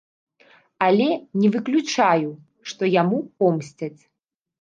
Але не выключаю, што яму помсцяць.